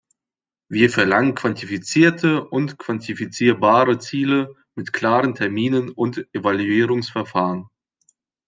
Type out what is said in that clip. Wir verlangen quantifizierte und quantifizierbare Ziele mit klaren Terminen und Evaluierungsverfahren.